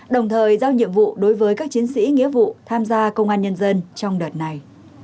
đồng thời giao nhiệm vụ đối với các chiến sĩ nghĩa vụ tham gia công an nhân dân trong đợt này